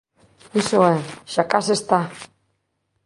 Iso é. Xa case está...